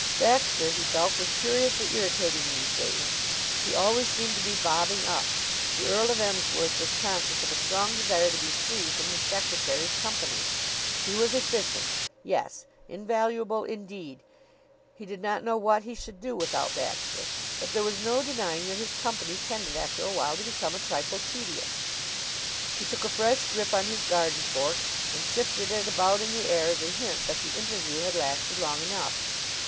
Baxter, he felt, was curiously irritating these days. He always seemed to be bobbing up. The Earl of Emsworth was conscious of a strong desire to be free from his secretary's company. He was efficient, yes invaluable indeed he did not know what he should do without Baxter; but there was no denying that his company tended after a while to become a trifle tedious. He took a fresh grip on his garden fork and shifted it about in the air as a hint that the interview had lasted long enough.